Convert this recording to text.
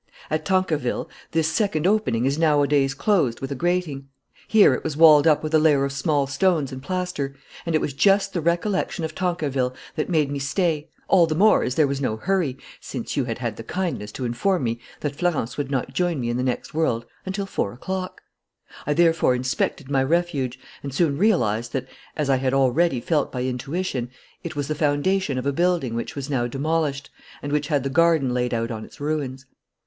"At Tancarville this second opening is nowadays closed with a grating. Here it was walled up with a layer of small stones and plaster. And it was just the recollection of Tancarville that made me stay, all the more as there was no hurry, since you had had the kindness to inform me that Florence would not join me in the next world until four o'clock. I therefore inspected my refuge and soon realized that, as I had already felt by intuition, it was the foundation of a building which was now demolished and which had the garden laid out on its ruins.